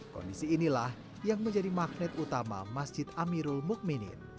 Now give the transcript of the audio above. kondisi inilah yang menjadi magnet utama masjid amirul mukminin